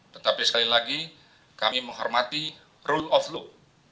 tetapi sekali lagi kami menghormati rule of law